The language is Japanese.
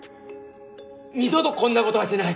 二度とこんなことはしない！